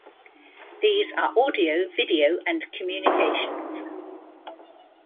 These are audio, video, and communications.